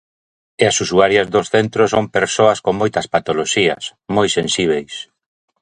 E as usuarias dos centros son persoas con moitas patoloxías, moi sensíbeis.